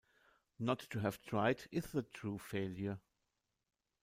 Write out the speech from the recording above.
Not to have tried is the true failure.